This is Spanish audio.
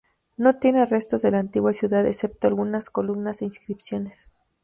No tiene restos de la antigua ciudad excepto algunas columnas e inscripciones.